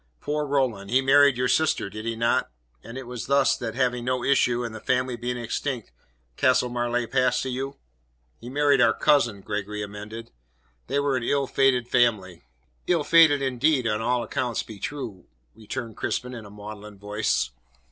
"Poor Roland! He married your sister, did he not, and it was thus that, having no issue and the family being extinct, Castle Marleigh passed to you?" "He married our cousin," Gregory amended. "They were an ill fated family." "Ill fated, indeed, an all accounts be true," returned Crispin in a maudlin voice.